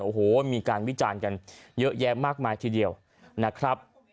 โอ้โหมีการวิจารณ์กันเยอะแยะมากมายทีเดียวนะครับ